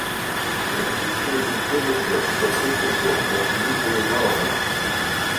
– За сущую безделицу: за песенку, Василиса Егоровна.